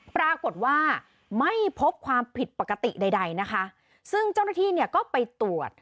ปรากฏว่าไม่พบความผิดปกติใดใดนะคะซึ่งเจ้าหน้าที่เนี่ยก็ไปตรวจ